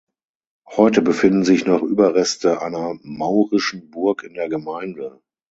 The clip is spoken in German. Heute befinden sich noch Überreste einer maurischen Burg in der Gemeinde.